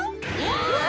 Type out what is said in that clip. うわ。